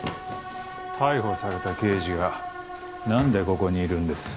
逮捕された刑事が何でここにいるんです？